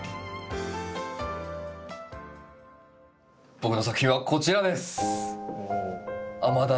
僕の作品はこちらです。